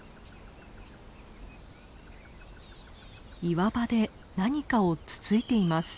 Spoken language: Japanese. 岩場で何かをつついています。